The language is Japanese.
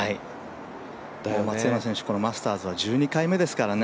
松山選手、このマスターズは１２回目ですからね。